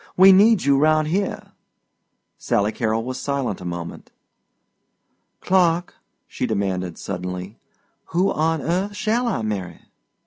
We need you round here." Sally Carrol was silent a moment. "Clark," she demanded suddenly, "who on earth shall I marry?"